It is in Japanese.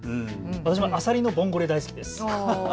私もあさりのボンゴレ大好きです。